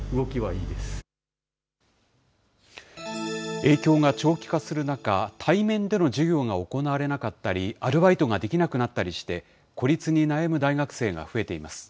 影響が長期化する中、対面での授業が行われなかったり、アルバイトができなくなったりして、孤立に悩む大学生が増えています。